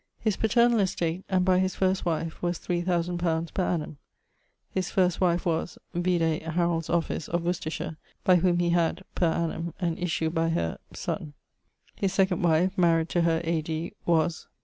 His paternall estate, and by his first wife, was 3000 li. per annum. His first wife was ... (vide Heralds' Office) of Worcestershire, by whom he had ... per annum, and issue by her, son. His second wife (maried to her A.D. ...) was